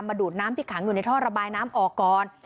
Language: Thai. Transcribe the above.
ดูดน้ำที่ขังอยู่ในท่อระบายน้ำออกก่อน